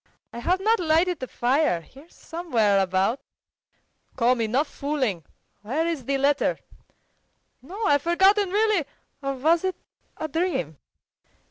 "I have not lighted the fire. Here somewhere about." "Come, enough fooling! Where is the letter?" "No, I've forgotten really. Or was it a dream?